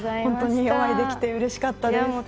本当にお会いできてうれしかったです。